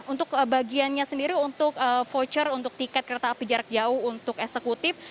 untuk bagiannya sendiri untuk voucher untuk tiket kereta api jarak jauh untuk eksekutif